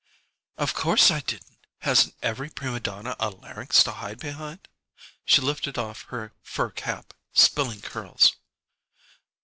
"Of course I didn't! Hasn't every prima donna a larynx to hide behind?" She lifted off her fur cap, spilling curls.